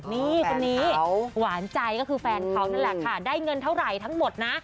นี่คนนี้หวานใจก็คือแฟนเขานั่นแหละค่ะได้เงินเท่าไหร่ทั้งหมดนะ